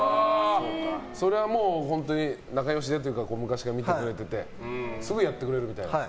それは本当に仲良しでというか昔から診てくれててすぐやってくれると。